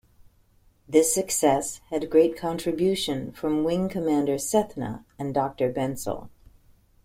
This success had great contribution from Wing Commander Sethna and Doctor Bensal.